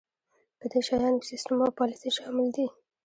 په دې شیانو کې سیستم او پالیسي شامل دي.